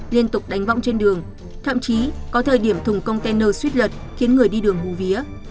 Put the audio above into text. liên tục đánh võng trên đường thậm chí có thời điểm thùng container xít lật khiến người đi đường hô vía